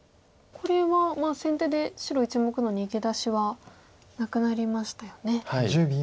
これは先手で白１目の逃げ出しはなくなりましたよね。